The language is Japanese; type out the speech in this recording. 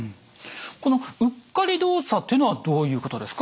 この「うっかり動作」というのはどういうことですか？